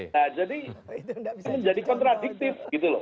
nah jadi menjadi kontradiktif